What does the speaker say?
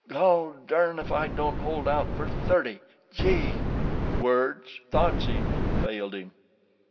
Gol durn, ef I don't hold out fer thirty! Gee!" Words, thoughts even, failed him.